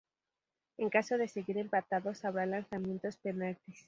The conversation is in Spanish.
En caso de seguir empatados, habrá lanzamientos penaltis.